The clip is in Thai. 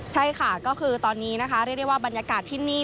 ใช่ค่ะก็คือตอนนี้นะคะเรียกได้ว่าบรรยากาศที่นี่